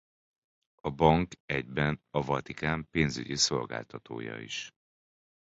A bank egyben a Vatikán pénzügyi szolgáltatója is.